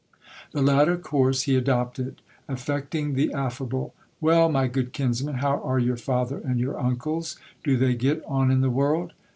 The latter course he adopted. Affecting the affable : Well, my good kinsman, how are your father and your uncles ? Do they get on in the world